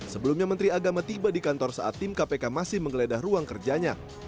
sebelumnya menteri agama tiba di kantor saat tim kpk masih menggeledah ruang kerjanya